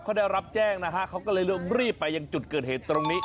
เขาได้รับแจ้งนะฮะเขาก็เลยรีบไปยังจุดเกิดเหตุตรงนี้